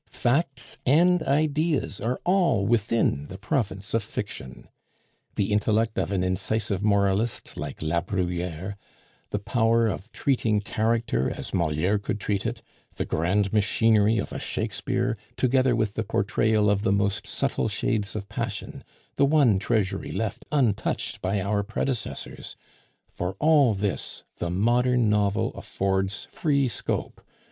Facts and ideas are all within the province of fiction. The intellect of an incisive moralist, like La Bruyere, the power of treating character as Moliere could treat it, the grand machinery of a Shakespeare, together with the portrayal of the most subtle shades of passion (the one treasury left untouched by our predecessors) for all this the modern novel affords free scope.